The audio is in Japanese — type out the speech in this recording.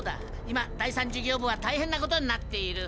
今第３事業部はたいへんなことになっている。